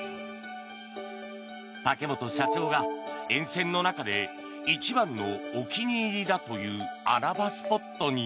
竹本社長が沿線の中で一番のお気に入りだという穴場スポットに。